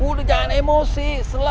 udah jangan emosi